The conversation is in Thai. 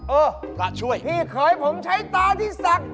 เออพระช่วยพี่เขยผมใช้ตาที่ศักดิ์